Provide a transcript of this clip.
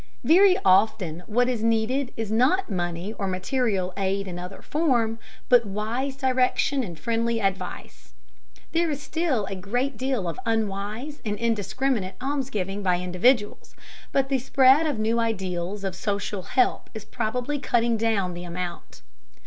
Very often what is needed is not money or material aid in other form, but wise direction and friendly advice. There is still a great deal of unwise and indiscriminate almsgiving by individuals, but the spread of new ideals of social help is probably cutting down the amount.